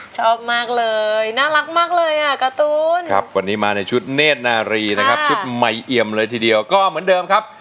ชอบมากเลยน่ารักมากเลยอ่ะการ์ตูนครับวันนี้มาในชุดเนธนารีนะครับชุดใหม่เอี่ยมเลยทีเดียวก็เหมือนเดิมครับ